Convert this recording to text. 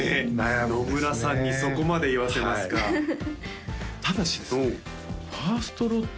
野村さんにそこまで言わせますかただしですねファーストロット